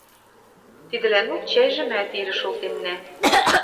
Тидӹлӓнок чӓйжӹмӓт ирӹ шолтеннӓ...